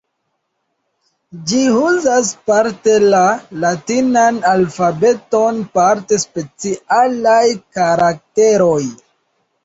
Ĝi uzas parte la latinan alfabeton, parte specialaj karakteroj.